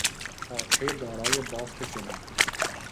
پارچهی دارای بافت جناغی